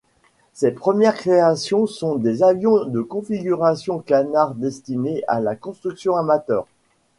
Ses premières créations sont des avions de configuration canard destinés à la construction amateur.